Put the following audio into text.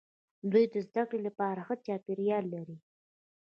دوی د زده کړې لپاره ښه چاپیریال لري.